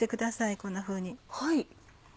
こんなふうに。